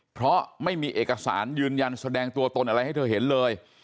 เพราะไม่มีเอกสารยืนยันแสดงตัวตนอะไรให้เธอเห็นเลย